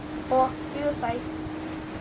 О, тиде сай!